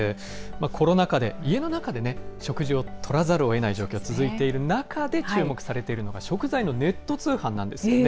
コロナ禍で、家の中でね、食事をとらざるをえない状況が続いている中で、注目されているのが、食材のネット通販なんですよね。